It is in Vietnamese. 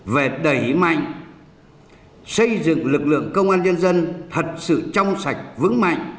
về đẩy mạnh xây dựng lực lượng công an nhân dân thật sự trong sạch vững mạnh